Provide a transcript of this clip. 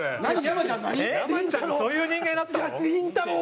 山ちゃんってそういう人間だったの？